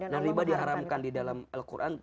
nah riba diharamkan di dalam al quran